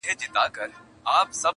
• خر خپل او پردي فصلونه نه پېژني -